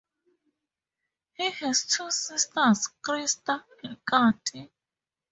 He has two sisters, Krista and Katie.